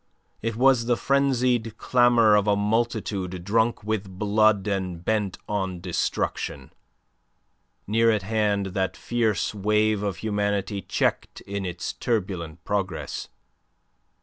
It was the frenzied clamour of a multitude drunk with blood and bent on destruction. Near at hand that fierce wave of humanity checked in its turbulent progress.